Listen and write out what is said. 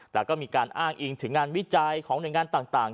แต่ก็มีการอ้างอิงถึงงานวิจัยของหน่วยงานต่าง